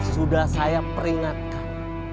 sudah saya peringatkan